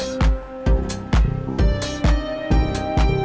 sigel kabur itu shay